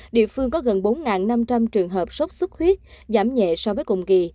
địa phương có gần bốn năm trăm linh trường hợp sốt xuất huyết giảm nhẹ so với cùng kỳ